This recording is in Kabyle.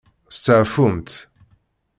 Steɛfumt.